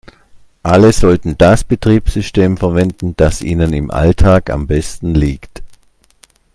Alle sollten das Betriebssystem verwenden, das ihnen im Alltag am besten liegt.